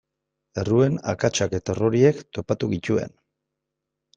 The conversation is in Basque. Erroan akatsak eta erroreak topatu genituen.